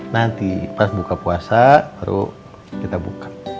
nanti pas buka puasa baru kita buka